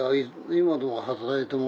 今でも？